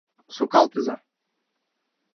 Сукалтыза.